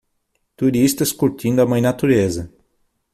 Turistas curtindo a mãe natureza.